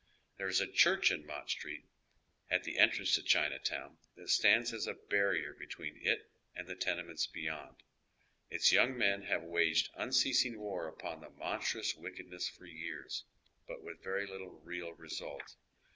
There is a cimrcii in Mott Street, at the entrance to Chinatown, that stands as a barrier be tween it and the tenements beyond. Its young men have waged unceasing war upon the monstrous wickedness for years, but with very little real result.